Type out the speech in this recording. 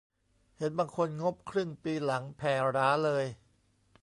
เห็นบางคนงบครึ่งปีหลังแผ่หราเลย